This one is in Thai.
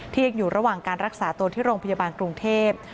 ยังอยู่ระหว่างการรักษาตัวที่โรงพยาบาลกรุงเทพ